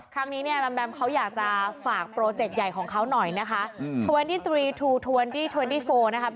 ครั้งนี้เนี่ยแบมแมมเขาอยากจะฝากโปรเจกต์ใหญ่ของเขาหน่อยนะคะ